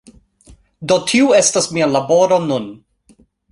Do tiu estas mia laboro nun.